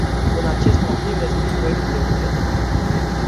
Din acest motiv, resping proiectul de buget.